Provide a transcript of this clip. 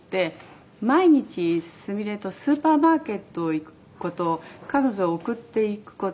「毎日すみれとスーパーマーケット行く事彼女を送っていく事